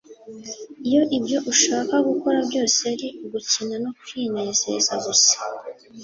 iyo ibyo ushaka gukora byose ari ugukina no kwinezeza gusa